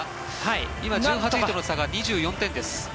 今、１８位との差が２４点です。